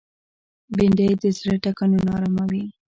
بېنډۍ د زړه ټکانونه آراموي